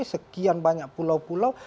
sekian banyak pulau pulau